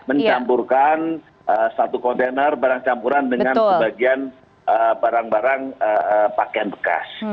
mencampurkan satu kontainer barang campuran dengan sebagian barang barang pakaian bekas